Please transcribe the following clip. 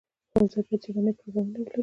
ښوونځي باید ژبني پروګرامونه پلي کړي.